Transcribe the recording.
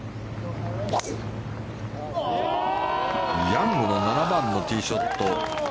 ヤングの７番のティーショット。